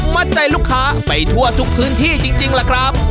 มัดใจลูกค้าไปทั่วทุกพื้นที่จริงล่ะครับ